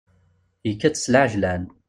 Yekkat s leɛjlan.